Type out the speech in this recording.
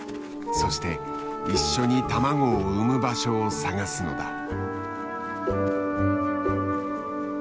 そして一緒に卵を産む場所を探すのだ。